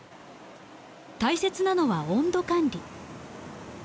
大切なのは温度管理。